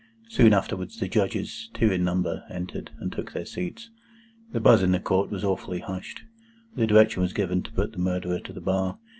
Soon afterwards the Judges, two in number, entered, and took their seats. The buzz in the Court was awfully hushed. The direction was given to put the Murderer to the bar.